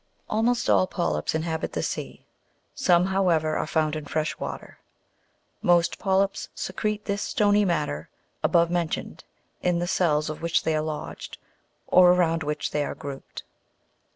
19. Almost all polyps inhabit the sea: some, however, are found in fresh water. Most polyps secrete this stony matter, above mentioned, in the cells of which they are lodg ed, or around which they are grouped.